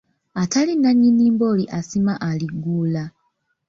Atali nannyini mbooli asima aligguula.